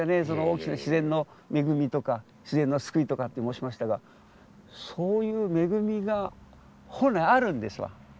その大きな自然の恵みとか自然の救いとかって申しましたがそういう恵みが本来あるんですわ。